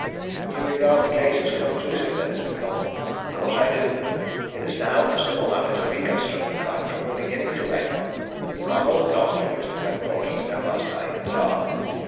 "You regard the case as conclusive, then?" said Colwyn. "Of course I do. It is now a simple matter to reconstruct the crime from beginning to end. Ronald got through Mr. Glenthorpe's window last night in the dark.